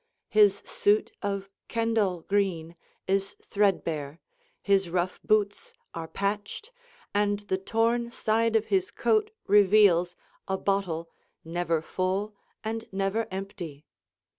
His suit of Kendal green is threadbare, his rough boots are patched, and the torn side of his coat reveals a bottle never full and never empty.